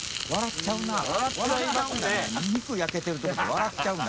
笑っちゃうな。